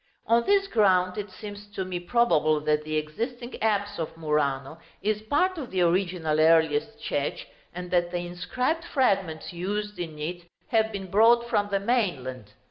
On this ground it seems to me probable that the existing apse of Murano is part of the original earliest church, and that the inscribed fragments used in it have been brought from the mainland.